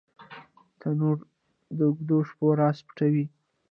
تنور د اوږدو شپو راز پټوي